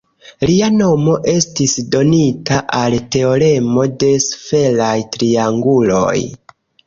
Lia nomo estis donita al teoremo de sferaj trianguloj.